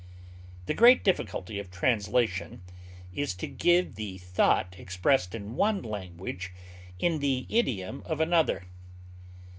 The great difficulty of translation is to give the thought expressed in one language in the idiom of another.